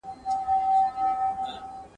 وڅڅوي اوښکي اور تر تلي کړي ..